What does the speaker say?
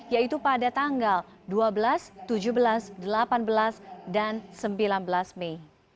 yaitu pada tanggal dua belas tujuh belas delapan belas dan sembilan belas mei